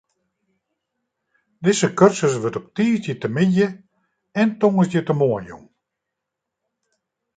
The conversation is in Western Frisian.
Dizze kursus wurdt op tiisdeitemiddei en tongersdeitemoarn jûn.